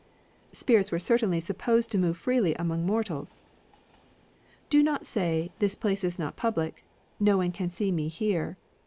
Spirits were certainly supposed to move freely among mortals :— Do not say, This place is not public ; No one can see me here.